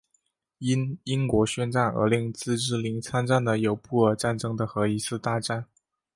因英国宣战而令自治领参战的有布尔战争和一次大战。